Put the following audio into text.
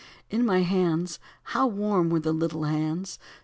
In my hands how warm were the little hands.